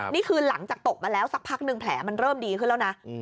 นี่คือหลังจากตกมาแล้วสักพักหนึ่งแผลมันเริ่มดีขึ้นแล้วนะ